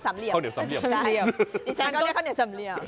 ใช่นี่ฉันก็เรียกข้าวเหนียว๓เหลี่ยม